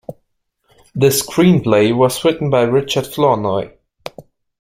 The screenplay was written by Richard Flournoy.